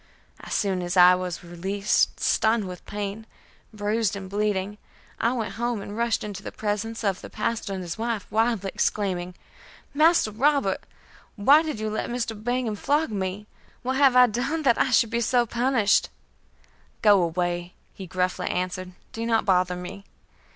As soon as I was released, stunned with pain, bruised and bleeding, I went home and rushed into the presence of the pastor and his wife, wildly exclaiming: "Master Robert, why did you let Mr. Bingham flog me? What have I done that I should be so punished?" "Go away," he gruffly answered, "do not bother me."